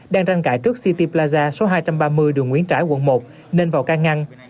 đang răng cải trước city plaza số hai trăm ba mươi đường nguyễn trãi quận một nên vào ca ngăn